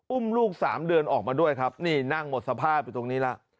อุ้มลูก๓เดือนออกมาด้วยครับนี่นั่งหมดสภาพอยู่ตรงนี้แล้ว